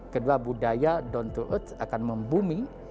kedua budaya don't do it akan membumi